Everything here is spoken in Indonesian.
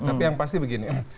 tapi yang pasti begini